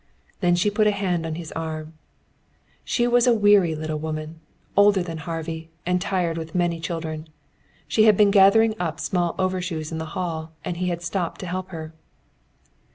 Then she put a hand on his arm. She was a weary little woman, older than Harvey, and tired with many children. She had been gathering up small overshoes in the hall and he had stopped to help her.